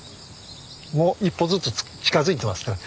もう一歩ずつ近づいてますから。